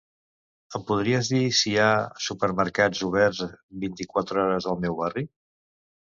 Em podries dir si hi ha supermercats oberts vint-i-quatre hores al meu barri?